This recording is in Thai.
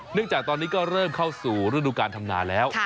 เนื่องจากตอนนี้ก็เริ่มเข้าสู่รูดุการธรรมนาแล้ว